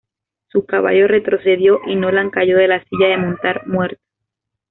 Su caballo retrocedió y Nolan cayó de la silla de montar muerto.